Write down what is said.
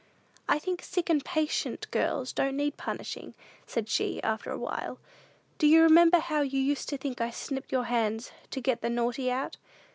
"I think sick and patient little girls don't need punishing," said she, after a while. "Do you remember how you used to think I snipped your hands to 'get the naughty out?'